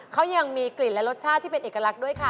เขายังมีกลิ่นและรสชาติที่เป็นเอกลักษณ์ด้วยค่ะ